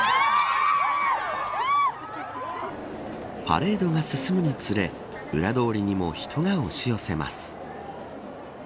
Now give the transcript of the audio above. パレードが進むにつれ裏通りにも人が押し寄せます。